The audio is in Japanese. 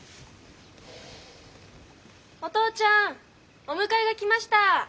・お父ちゃんお迎えが来ました！